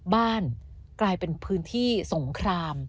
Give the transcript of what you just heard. กลายเป็นพื้นที่สงคราม